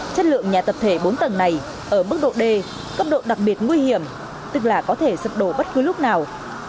chất lượng nhà tập thể bốn tầng này ở mức độ d cấp độ đặc biệt nguy hiểm tức là có thể sập đổ bất cứ lúc nào